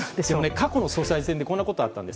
過去の総裁選でこんなことがあったんです。